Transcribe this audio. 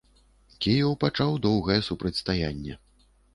Кіеў пачаў доўгае супрацьстаянне.